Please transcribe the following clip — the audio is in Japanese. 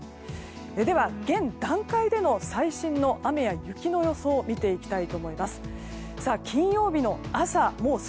では、現段階での最新の雨や雪の予想を見ていきたいと思います。